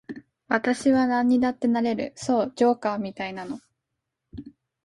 私はなんにだってなれる、そう、ジョーカーみたいなの。